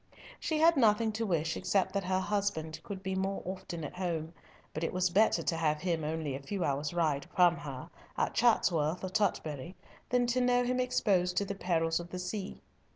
She had nothing to wish except that her husband could be more often at home, but it was better to have him only a few hours' ride from her, at Chatsworth or Tutbury, than to know him exposed to the perils of the sea.